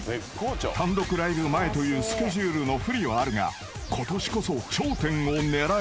［単独ライブ前というスケジュールの不利はあるがことしこそ頂点を狙えるか？］